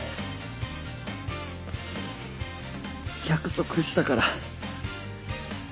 約束したから。